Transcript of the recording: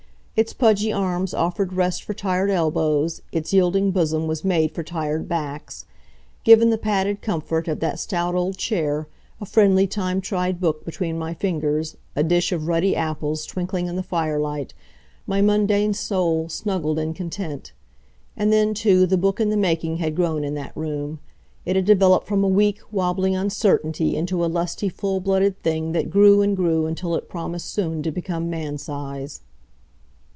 Its pudgy arms offered rest for tired elbows; its yielding bosom was made for tired backs. Given the padded comfort of that stout old chair a friendly, time tried book between my fingers a dish of ruddy apples twinkling in the fire light; my mundane soul snuggled in content. And then, too, the book in the making had grown in that room. It had developed from a weak, wobbling uncertainty into a lusty full blooded thing that grew and grew until it promised soon to become mansize.